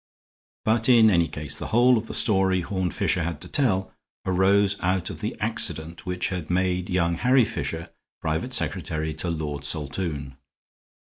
But in any case, the whole of the story Horne Fisher had to tell arose out of the accident which had made young Harry Fisher private secretary to Lord Saltoun.